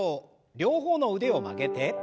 両方の腕を曲げて。